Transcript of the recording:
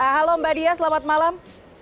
halo mbak dia selamat malam